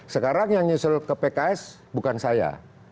sekarang yang nyusul ke pks bukan saya